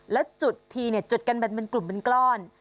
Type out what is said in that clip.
แล้วจุดทีเนี่ยจุดกันแบบเป็นกลุ่มเป็นกล้อน